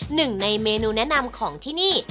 หนึ่งในเมนูแนะนำของที่นี่